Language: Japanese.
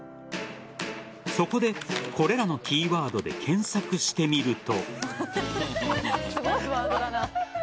そこで、これらのキーワードで検索してみると。